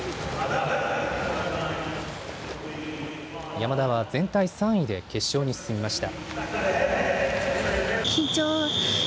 山田は全体３位で決勝に進みました。